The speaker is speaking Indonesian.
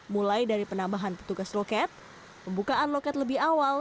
mulai dari penambahan petugas loket pembukaan loket lebih awal